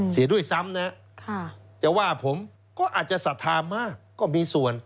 เสียด้วยซ้ำนะจะว่าผมก็อาจจะศรัทธามากก็มีส่วน